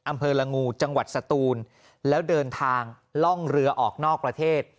อำเภอละงูจังหวัดสตูนแล้วเดินทางล่องเรือออกนอกประเทศ